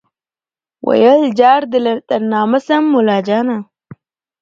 ویل جار دي تر نامه سم مُلاجانه